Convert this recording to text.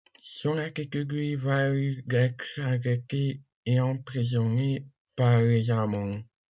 Son attitude lui valut d'être arrêté et emprisonné par les Allemands.